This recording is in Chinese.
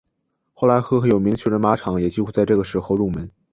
后来赫赫有名的巨人马场也几乎在这个时候入门。